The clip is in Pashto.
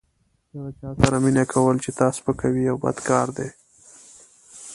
د هغه چا سره مینه کول چې تا سپکوي یو بد کار دی.